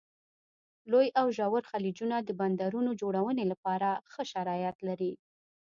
لوی او ژور خلیجونه د بندرونو جوړونې لپاره ښه شرایط لري.